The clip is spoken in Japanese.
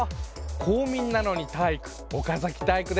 公民なのに体育！